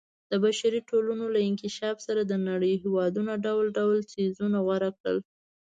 د بشري ټولنو له انکشاف سره د نړۍ هېوادونو ډول ډول څیزونه غوره کړل.